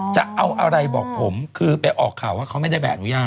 จะเอาอะไรบอกผมคือไปออกข่าวว่าเขาไม่ได้ใบอนุญาต